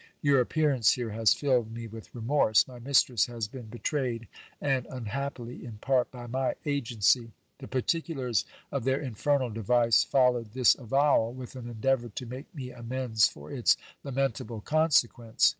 Your appearance here has filled me with remorse. My mistress has been betrayed, and unhappily in part by my agency. The particulars of their infernal device followed this avowal, with an endeavour to make me amends for its lamentable consequence.